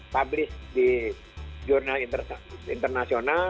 publish di jurnal internasional